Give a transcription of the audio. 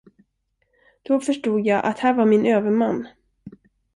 Då förstod jag, att här var min överman.